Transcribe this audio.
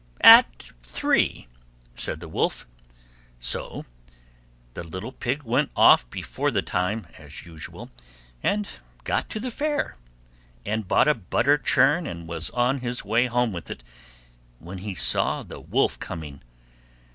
"At three," said the Wolf. So the little Pig went off before the time, as usual, and got to the Fair, and bought a butter churn, and was on his way home with it when he saw the Wolf coming.